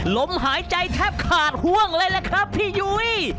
ลมหายใจแทบขาดห่วงเลยล่ะครับพี่ยุ้ย